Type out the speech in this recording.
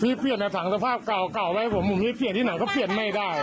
พี่เปลี่ยนแต่ถังสภาพเก่าไว้ผมผมให้เปลี่ยนที่ไหนก็เปลี่ยนไม่ได้